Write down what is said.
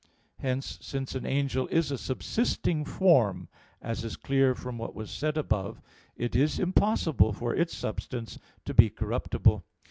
Hence, since an angel is a subsisting form, as is clear from what was said above (A. 2), it is impossible for its substance to be corruptible.